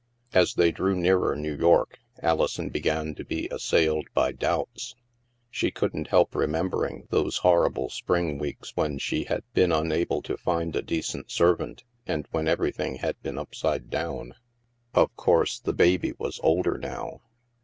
As they drew nearer New York, Alison began to be assailed by doubts. She couldn't help remem bering those horrible spring weeks when she had been unable to find a decent servant, and when everything had been upside down. 236 THE MASK Of course, the baby was older now.